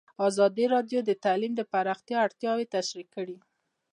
ازادي راډیو د تعلیم د پراختیا اړتیاوې تشریح کړي.